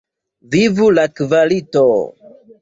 Vivu la kvalito!